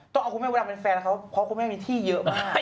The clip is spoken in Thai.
ต้องเอาคุณแม่มนต์ดำเป็นแฟนค่ะเพราะคุณแม่มีที่เยอะมาก